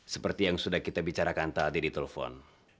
seperti yang sudah kita bicarakan tadi di telepon